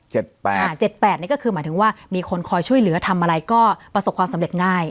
เจ็ดแปดนี่ก็คือหมายถึงว่ามีคนคอยช่วยเหลือทำอะไรก็ประสบความสำเร็จง่าย